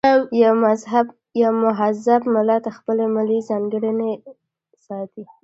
یو مهذب ملت خپلې ملي ځانګړنې ساتي.